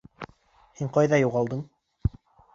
Һеҙ ҡайҙа юғалдығыҙ?